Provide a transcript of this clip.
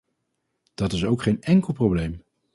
Dat is ook geen enkel probleem.